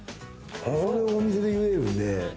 それをお店で茹でるんで。